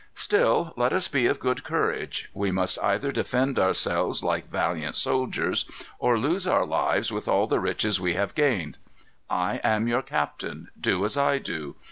Still, let us be of good courage. We must either defend ourselves like valiant soldiers, or lose our lives with all the riches we have gained. I am your captain. Do as I do.